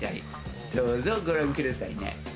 どうぞご覧くださいね。